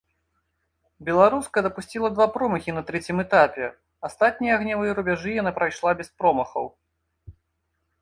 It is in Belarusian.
Беларуска дапусціла два промахі на трэцім этапе, астатнія агнявыя рубяжы яна прайшла без промахаў.